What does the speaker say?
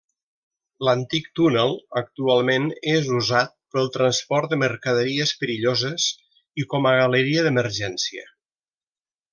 L'antic túnel actualment és usat pel transport de mercaderies perilloses i com a galeria d'emergència.